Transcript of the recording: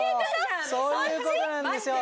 そういう事なんですよ。